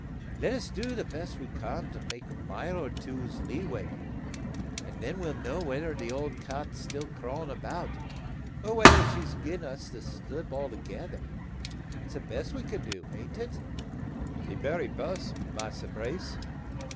Let us do the best we can to make a mile or two's leeway; an' then we'll know whether the old Cat's still crawling about, or whether she's gin us the slip altogether. That's the best thing we can do, ain't it?" "De berry bess, Massa Brace.